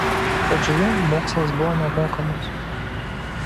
Pradžioje mokslas buvo nemokamas.